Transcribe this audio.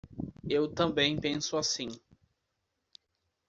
Eu também penso assim.